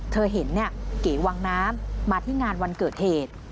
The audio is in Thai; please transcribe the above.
เธอเห็นเก๋วังน้ำมาที่งานวันเกิดเหตุ